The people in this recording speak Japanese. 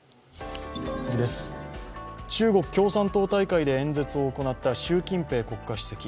中国共産党大会で演説を行った習近平国家主席。